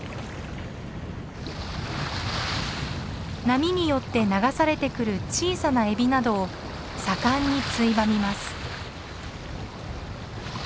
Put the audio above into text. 波によって流されてくる小さなエビなどを盛んについばみます。